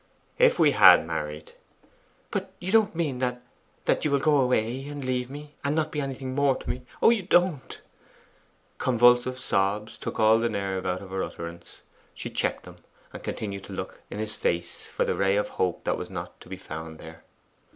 'If we had married ' 'But you don't MEAN that that you will go away and leave me, and not be anything more to me oh, you don't!' Convulsive sobs took all nerve out of her utterance. She checked them, and continued to look in his face for the ray of hope that was not to be found there.